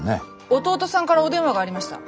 弟さんからお電話がありました。